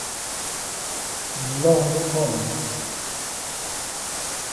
Bilos bi ñgond.